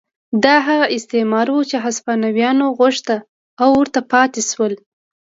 دا هغه استعمار و چې هسپانویانو غوښت او ورته پاتې شول.